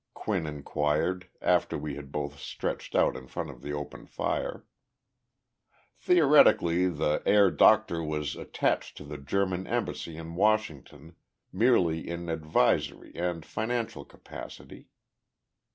[Quinn inquired, after we had both stretched out in front of the open fire]. Theoretically, the Herr Doktor was attached to the German embassy in Washington merely in an advisory and financial capacity.